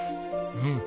うん。